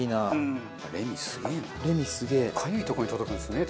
かゆいとこに届くんですね